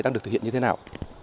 đang được thực hiện như thế nào